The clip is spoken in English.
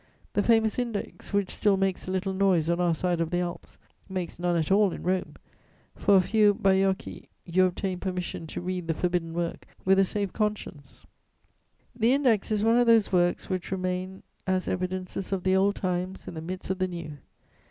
The famous Index, which still makes a little noise on our side of the Alps, makes none at all in Rome: for a few bajocchi you obtain permission to read the forbidden work with a safe conscience. The Index is one of those works which remain as evidences of the old times in the midst of the new.